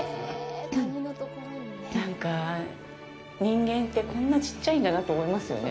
なんか人間ってこんなちっちゃいんだなと思いますよね。